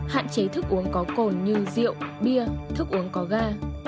hạn chế thức uống có cồn như rượu bia thức uống có ga